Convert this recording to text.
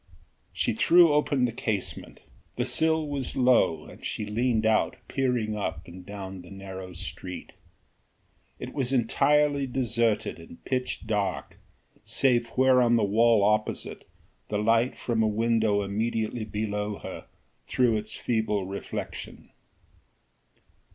She threw open the casement. The sill was low and she leaned out peering up and down the narrow street. It was entirely deserted and pitch dark save where on the wall opposite the light from a window immediately below her threw its feeble reflection.